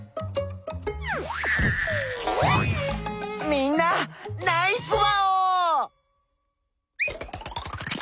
みんなナイスワオー！